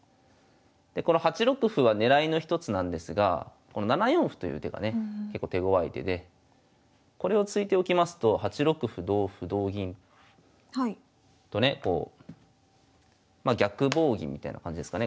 でこの８六歩は狙いの一つなんですがこの７四歩という手がね結構手ごわい手でこれを突いておきますと８六歩同歩同銀とねまあ逆棒銀みたいな感じですかね。